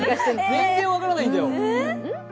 全然分からないんだよ。